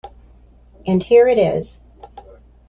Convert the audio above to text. And here it is.